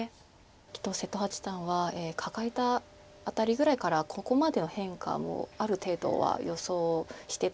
きっと瀬戸八段はカカえた辺りぐらいからここまでの変化をある程度は予想してたんではないかなと思います。